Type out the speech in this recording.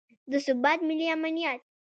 د ثبات، ملي امنیت